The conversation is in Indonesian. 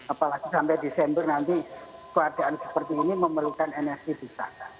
apalagi sampai desember nanti keadaan seperti ini memerlukan energi besar